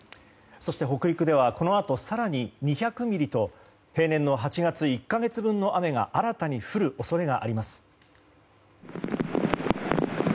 そして北陸ではこのあと更に２００ミリと平年の８月１か月分の雨が新たに降る恐れがあります。